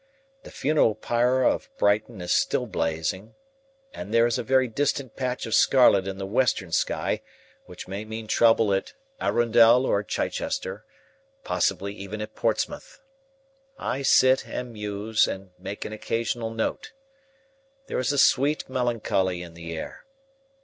The funeral pyre of Brighton is still blazing, and there is a very distant patch of scarlet in the western sky, which may mean trouble at Arundel or Chichester, possibly even at Portsmouth. I sit and muse and make an occasional note. There is a sweet melancholy in the air.